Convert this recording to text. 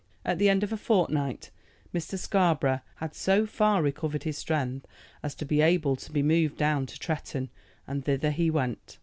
At the end of a fortnight Mr. Scarborough had so far recovered his strength as to be able to be moved down to Tretton, and thither he went.